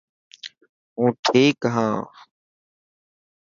هون ٺيڪ هان.